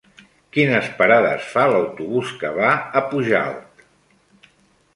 Quines parades fa l'autobús que va a Pujalt?